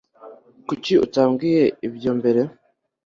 Kuki utambwiye ibyo mbere